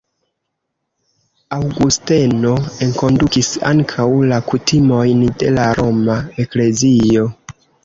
Aŭgusteno enkondukis ankaŭ la kutimojn de la roma eklezio.